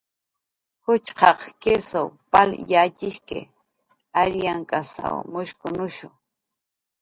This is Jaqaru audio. Juchqaq kisw pal yatxiski, ariyankasw mushkunushu